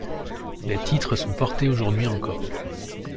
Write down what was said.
Les titres sont portés aujourd'hui encore.